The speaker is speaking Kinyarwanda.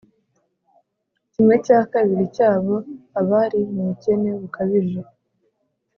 kimwe cya kabiri (½) cyabo abari mu bukene bukabije